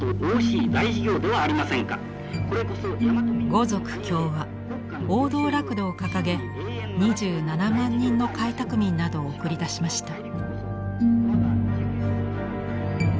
「五族協和」「王道楽土」を掲げ２７万人の開拓民などを送り出しました。